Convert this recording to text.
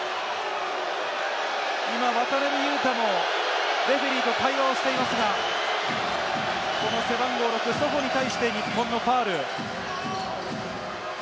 今、渡邊雄太もレフェリーと会話をしていますが、この背番号６、ソホに対して日本のファウル。